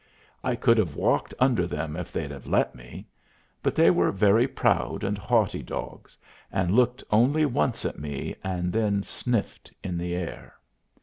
I could have walked under them if they'd have let me. But they were very proud and haughty dogs, and looked only once at me, and then sniffed in the air.